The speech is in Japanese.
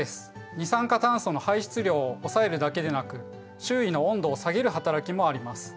二酸化炭素の排出量を抑えるだけでなく周囲の温度を下げる働きもあります。